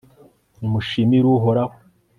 nimushimire uhoraho